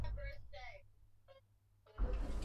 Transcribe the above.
Biashara ni kazi ngumu sana kufanya